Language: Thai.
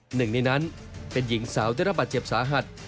หนึ่งในนั้นเป็นหญิงสาวได้รับบาดเจ็บสาหัส